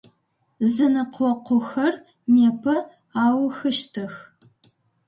Зэнэкъокъухэр непэ аухыщтых.